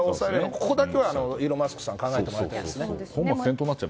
ここだけはイーロン・マスクさん考えてもらいたいですね。